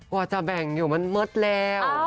ว่าจะแบ่งอยู่มันมืดแล้ว